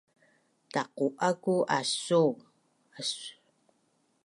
Taqu’aku asu’u